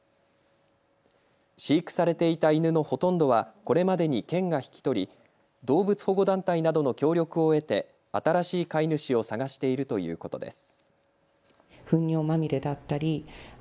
飼育されていた犬のほとんどはこれまでに県が引き取り動物保護団体などの協力を得て新しい飼い主を探しているということです。